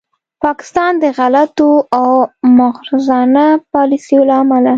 پاکستان د غلطو او مغرضانه پالیسیو له امله